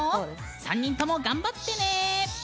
３人とも、頑張ってね！